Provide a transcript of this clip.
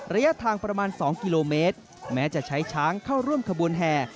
ระยะทางประมาณ๒กิโลเมตรแม้จะใช้ช้างเข้าร่วมขบวนแห่